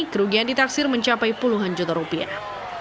kerugian ditaksir mencapai puluhan juta rupiah